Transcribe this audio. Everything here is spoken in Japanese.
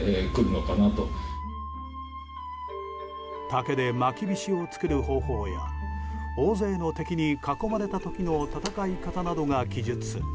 竹でマキビシを作る方法や大勢の敵に囲まれた時の戦い方などが記述。